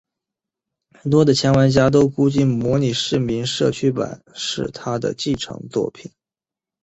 很多的前玩家都估计模拟市民社区版是它的继承作品。